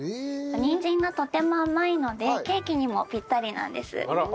にんじんがとても甘いのでケーキにもピッタリなんです。